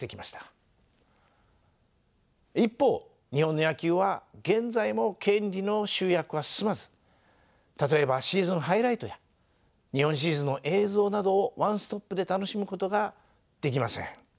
一方日本の野球は現在も権利の集約は進まず例えばシーズンハイライトや日本シリーズの映像などをワンストップで楽しむことができません。